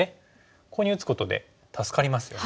ここに打つことで助かりますよね。